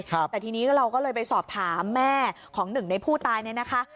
แต่ทีนี้เราก็เลยไปสอบถามแม่ของหนึ่งในผู้ตายเนี่ยนะคะ